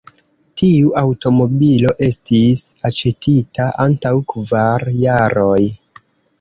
Tiu aŭtomobilo estis aĉetita antaŭ kvar jaroj.